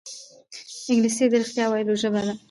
انګلیسي د رښتیا ویلو ژبه ده